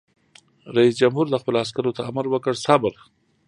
رئیس جمهور خپلو عسکرو ته امر وکړ؛ صبر!